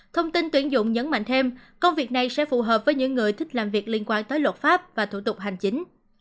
thông tin tuyển dụng nhấn mạnh thêm công việc này sẽ phù hợp với những người thích làm việc liên quan tới luật pháp và thủ tục hành chính